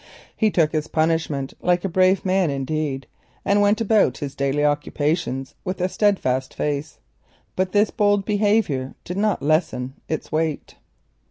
He took his punishment like a brave man indeed, and went about his daily occupations with a steadfast face, but his bold behaviour did not lessen its weight.